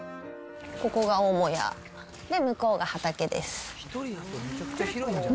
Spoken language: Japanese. ここが母屋、で、向こうが畑です。